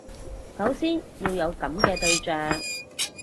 首先要有噉嘅對象